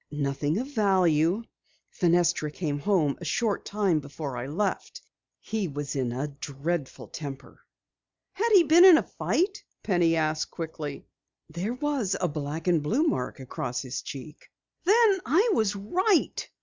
"Nothing of value. Fenestra came home a short time before I left. He was in a dreadful temper." "Had he been in a fight?" Penny asked quickly. "There was a black and blue mark across his cheek." "Then I was right!"